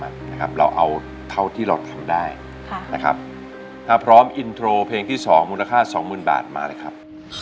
นะครับถ้าพร้อมอินโทรเพลงที่สองมูลค่าสองหมื่นบาทมานะครับ